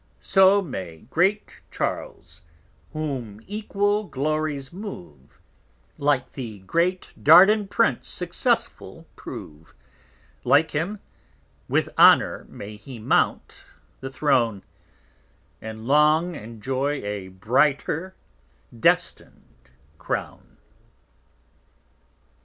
So may Great Charles, whom equal Glories move, Like the great Dardan Prince _successful prove: Like him, with Honour may he mount the Throne, And long enjoy a brighter destin'd Crown.